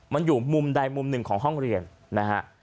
มันอยู่มุมใดมุมหนึ่งของห้องเรียนนะฮะ